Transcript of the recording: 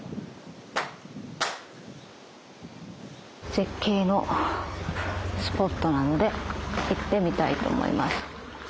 絶景のスポットなので行ってみたいと思います。